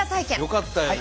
よかったよね。